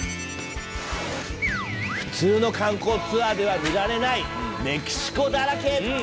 普通の観光ツアーでは見られないメキシコだらけ！